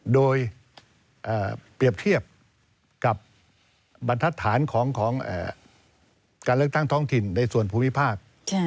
โดยเปรียบเทียบกับบรรทัศนของการเลือกตั้งท้องถิ่นในส่วนภูมิภาค